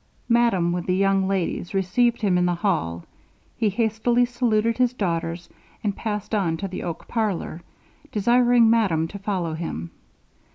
Madame, with the young ladies, received him in the hall. He hastily saluted his daughters, and passed on to the oak parlour, desiring madame to follow him.